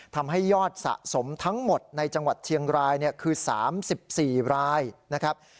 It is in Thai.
ทำให้ยอดสะสมทั้งหมดในจังหวัดเชียงรายคือ๓๔รายนะครับ